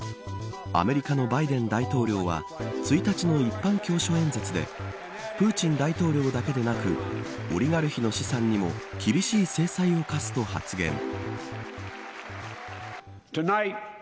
アメリカのバイデン大統領は１日の一般教書演説でプーチン大統領だけでなくオリガルヒの資産にも厳しい制裁を科すと発言。